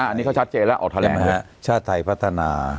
อ่านี่เขาชัดเจนแล้วออกแถลงใช่ไหมฮะชาติไทยพัฒนา